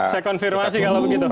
saya konfirmasi kalau begitu